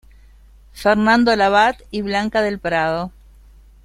Fernando Labat y Blanca del Prado.